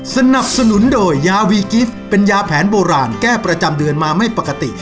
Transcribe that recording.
สนับสนุนโดยยาวีกิฟต์เป็นยาแผนโบราณแก้ประจำเดือนมาไม่ปกติ